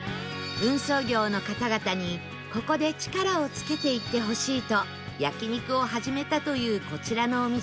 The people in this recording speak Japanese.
運送業の方々にここで力をつけていってほしいと焼肉を始めたというこちらのお店